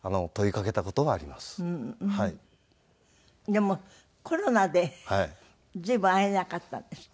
でもコロナで随分会えなかったんですって？